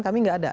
kami tidak ada